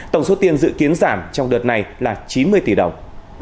tổng số tiền dự kiến giảm trong đợt này là chín mươi tỷ đồng